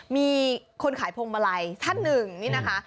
มีคนขายพวงมาลัยท่านหนึ่งนี่นะคะ